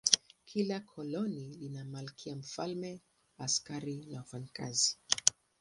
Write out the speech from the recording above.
Kila koloni lina malkia, mfalme, askari na wafanyakazi.